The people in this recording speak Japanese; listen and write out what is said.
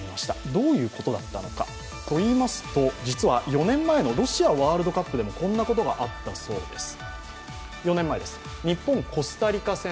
どういうことだったのかといいますと実は４年前のロシアワールドカップでもこんなことがあったそうです。